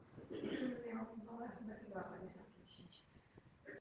Na Olympijských hrách v Salt Lake City získal s ruskou reprezentací bronzovou medaili.